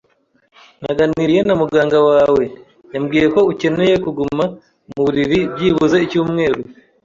Naganiriye na muganga wawe. Yambwiye ko ukeneye kuguma mu buriri byibuze icyumweru.